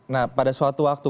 nah pada suatu waktu